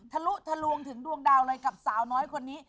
ทะลุทะลวงถึงดวงดาวเลยกับสาวน้อยคนนี้